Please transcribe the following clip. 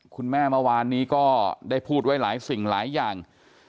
เมื่อวานนี้ก็ได้พูดไว้หลายสิ่งหลายอย่าง